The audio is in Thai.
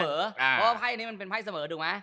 เพราะว่าไพ่นี้เป็นไพ่เสมอ